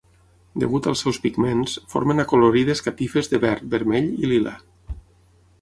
Degut als seus pigments, formen acolorides catifes de verd, vermell i lila.